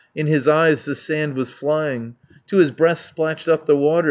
In his eyes the sand was flying, To his breast splashed up the water.